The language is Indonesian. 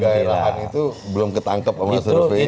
untuk kegairahan itu belum ketangkep sama survei ini